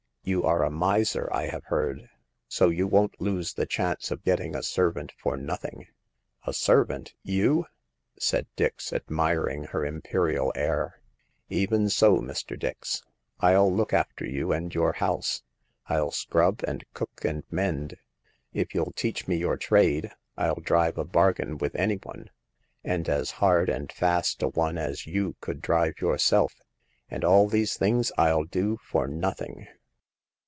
"You are a miser, I have heard ; so you won't lose the chance of getting a servant for nothing." A servant ! You ?" said Dix, admiring her imperial air. Even so, Mr. Dix. Ill look after you and your house. TU scrub and cook and mend. If you'll teach me your trade, 111 drive a bargain with any one— and as hard and fast a one as you could drive yourself . And all these things 111 do for nothing."